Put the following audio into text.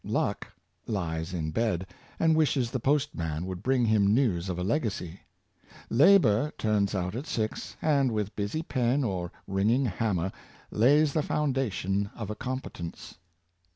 Luck lies in bed, and wishes the postman would bring him news of a legacy; Labor turns out at six, and with busy pen or ringing hammer lays the foundation of a competence.